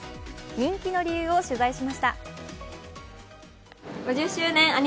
人気の理由を取材しました。